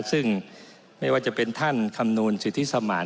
ซึ่งไม่ว่าจะเป็นท่านคำนวณสิทธิสมาน